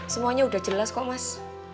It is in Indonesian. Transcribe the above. semuanya sudah jelas kok mas